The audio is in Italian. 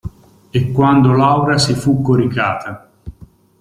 E quando Laura si fu coricata.